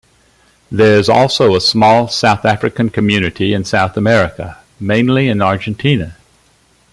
There is also a small South African community in South America, mainly in Argentina.